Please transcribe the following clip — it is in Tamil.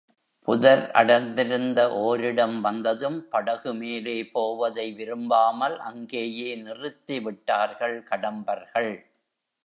புதர் அடர்ந்திருந்த ஓரிடம் வந்ததும் படகு மேலே போவதை விரும்பாமல் அங்கேயே நிறுத்தி விட்டார்கள் கடம்பர்கள்.